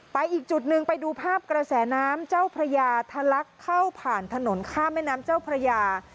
อีกจุดหนึ่งไปดูภาพกระแสน้ำเจ้าพระยาทะลักเข้าผ่านถนนข้ามแม่น้ำเจ้าพระยา